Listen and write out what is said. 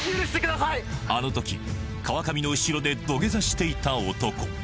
あのとき川上の後ろで土下座していた男